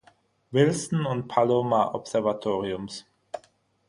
Wilson- und Palomar-Observatoriums.